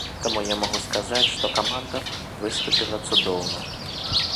Таму я магу сказаць, што каманда выступіла цудоўна!